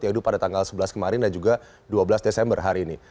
yaitu pada tanggal sebelas kemarin dan juga dua belas desember hari ini